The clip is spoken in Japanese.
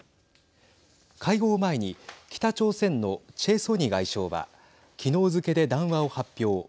会合を前に北朝鮮のチェ・ソニ外相は昨日付けで談話を発表。